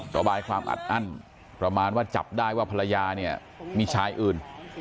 ระบายความอัดอั้นประมาณว่าจับได้ว่าภรรยาเนี่ยมีชายอื่น